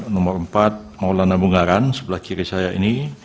nomor empat maulana bungaran sebelah kiri saya ini